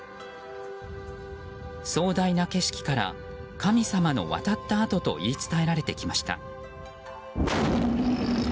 壮大な景色から神様の渡った跡と言い伝えられてきました。